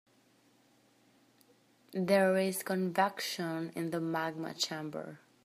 There is convection in the magma chamber.